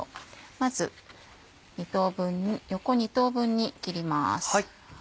まず横２等分に切ります。